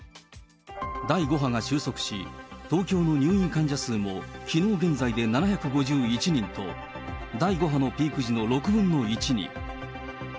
第５波が収束し、東京の入院患者数も、きのう現在で７５１人と、第５波のピーク時の６分の１に。